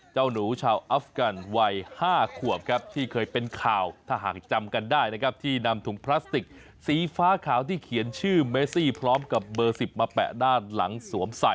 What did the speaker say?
เจ้านูชาวอีฟกรรมป์วัย๕ขวบ